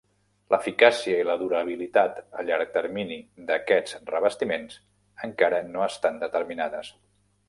L'eficàcia i la durabilitat a llarg termini d'aquests revestiments encara no estan determinades.